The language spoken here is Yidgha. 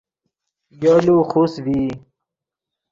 یولو خوست ڤئی